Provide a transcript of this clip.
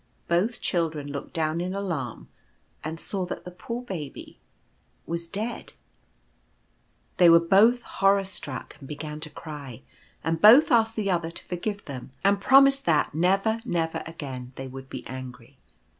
Both children looked down in alarm, and saw that the poor Baby was dead They were both hornrstruck, and began to cry ; and both asked the other to forgive them, and promised that never, never again they would be angry.